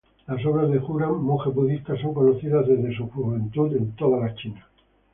Las obras de Juran, monje budista, son conocidas desde su juventud en toda China.